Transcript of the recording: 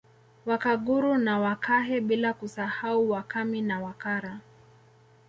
Wakaguru na Wakahe bila kusahau Wakami na Wakara